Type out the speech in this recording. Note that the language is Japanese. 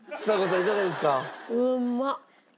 いかがですか？